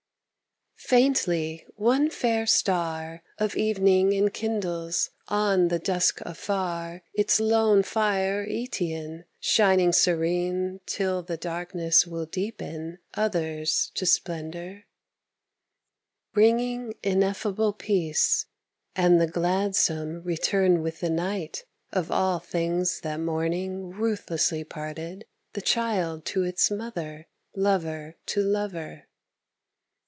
Faintly one fair star of evening enkindles On the dusk afar its lone fire Œtean, Shining serene till the darkness will deepen Others to splendor; Bringing ineffable peace, and the gladsome Return with the night of all things that morning Ruthlessly parted, the child to its mother, Lover to lover.